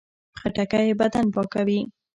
خټکی بدن پاکوي.